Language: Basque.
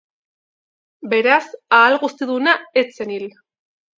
Beraz, Ahalguztiduna ez zen hil.